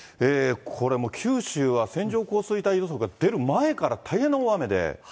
これ、九州は線状降水帯予測が出る前から大変な大雨で。